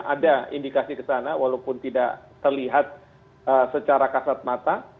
ada indikasi ke sana walaupun tidak terlihat secara kasat mata